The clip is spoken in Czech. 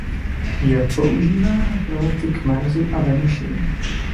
Je používána pro lety k Marsu a Venuši.